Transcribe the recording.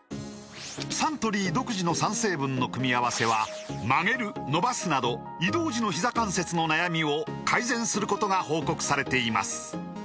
サントリー独自の３成分の組み合わせは曲げる伸ばすなど移動時のひざ関節の悩みを改善することが報告されています